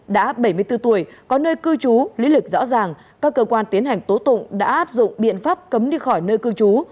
đã bảy mươi bốn tuổi có nơi cư trú lý lịch rõ ràng các cơ quan tiến hành tố tụng đã áp dụng biện pháp cấm đi khỏi nơi cư trú